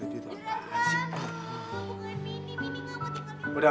udah udah udah